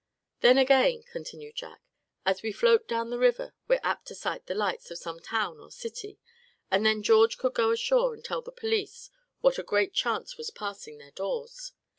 "Then again," Jack continued, "as we float down the river we're apt to sight the lights of some town or city. And then George could go ashore to tell the police what a great chance was passing their doors.